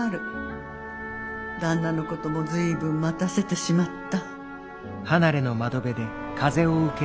旦那のことも随分待たせてしまった」。